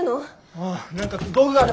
ああ何か道具があれば。